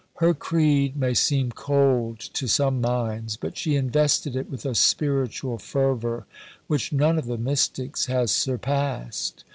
Her creed may seem cold to some minds, but she invested it with a spiritual fervour which none of the Mystics has surpassed.